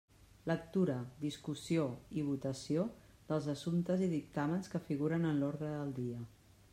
Lectura, discussió i votació dels assumptes i dictàmens que figuren en l'ordre del dia.